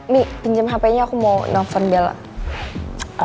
nih pinjem hpnya aku mau nelfon bella